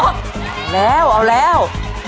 เอาแล้วเอาแล้ว